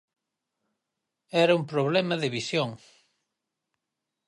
era un problema de visión.